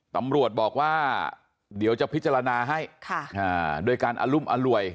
ตำรวจบอกว่าเดี๋ยวจะพิจารณาให้ด้วยการอรุมอร่วย